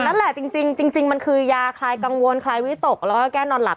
กินเยอะมากแหละแล้วจริงจริงมันคือยาใครกังวลใครวิตกและแก้นอนหลับ